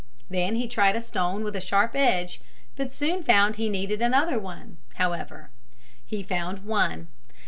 Then he tried a stone with a sharp edge, but soon found he needed another one, however. He found one.